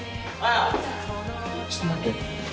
・ちょっと待って。